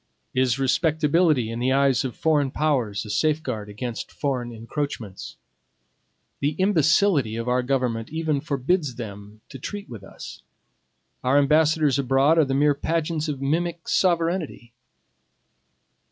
Is respectability in the eyes of foreign powers a safeguard against foreign encroachments? The imbecility of our government even forbids them to treat with us. Our ambassadors abroad are the mere pageants of mimic sovereignty.